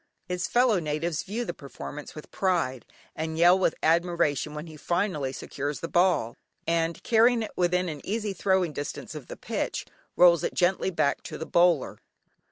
His fellow natives view the performance with pride, and yell with admiration when he finally secures the ball and, carrying it within an easy throwing distance of the pitch, rolls it gently back to the bowler.